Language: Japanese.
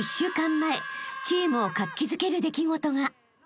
［チームを活気づける出来事が］